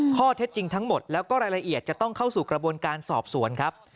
ข้อเท็จจริงทั้งหมดแล้วก็รายละเอียดจะต้องเข้าสู่กระบวนการสอบสวนครับ